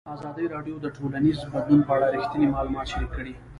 ازادي راډیو د ټولنیز بدلون په اړه رښتیني معلومات شریک کړي.